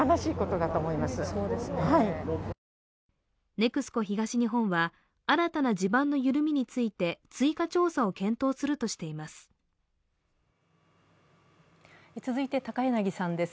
ＮＥＸＣＯ東日本は、新たな地盤の緩みについて追加調査を検討するとしています。